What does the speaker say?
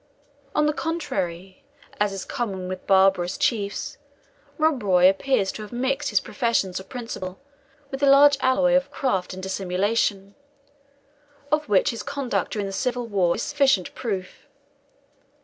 On the contrary, as is common with barbarous chiefs, Rob Roy appears to have mixed his professions of principle with a large alloy of craft and dissimulation, of which his conduct during the civil war is sufficient proof.